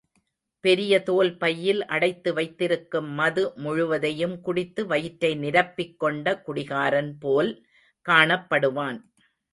பெரிய தோல் பையில் அடைத்து வைத்திருக்கும் மது முழுவதையும் குடித்து வயிற்றை நிரப்பிக்கொண்ட குடிகாரன் போல் காணப்படுவான்.